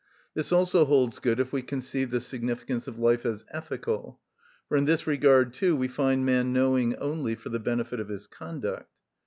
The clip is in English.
This also holds good if we conceive the significance of life as ethical; for in this regard too we find man knowing only for the benefit of his conduct.